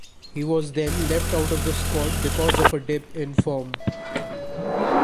He was then left out of the squad because of a dip in form.